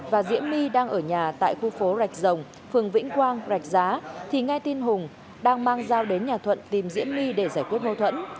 và diễm my đang ở nhà tại khu phố rạch rồng phường vĩnh quang rạch giá thì nghe tin hùng đang mang dao đến nhà thuận tìm diễm my để giải quyết mâu thuẫn